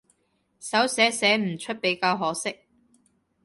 手寫寫唔出比較可惜